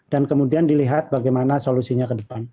kemudian dilihat bagaimana solusinya ke depan